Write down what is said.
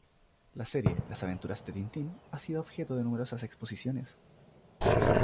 La serie "Las aventuras de Tintín" ha sido objeto de numerosas exposiciones.